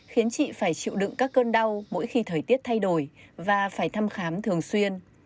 khiến chị phải chịu đựng các cơn đau mỗi khi thời tiết thay đổi và phải thăm khám thường xuyên